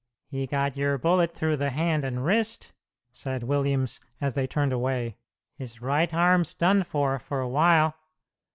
"He got your bullet through the hand and wrist," said Williams, as they turned away. "His right arm's done for, for a while.